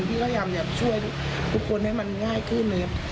พี่ก็ยามช่วยทุกคนให้มันง่ายขึ้นเลย